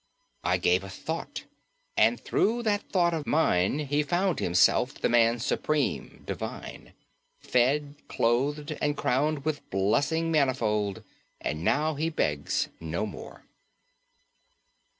I gave a thought and through that thought of mine, He found himself, the man supreme, divine, Fed, clothed and crowned with blessing manifold; And now he begs no more.